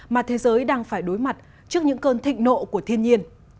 mà thế giới đang phải đối mặt trước những cơn thịnh nộ của thiên nhiên